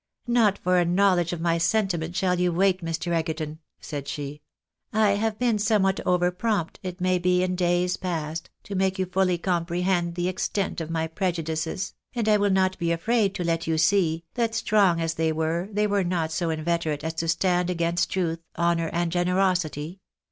" Not for a knowledge of my sentiments shall you wait, Mr. Egerton," said she ;" I have been somewhat over prompt, it may be, in days past, to make you fully comprehend the extent of my prejudices, and I will not be afraid to let you see, that strong as they were, they were not so inveterate as to stand against truth, honour, and generosity.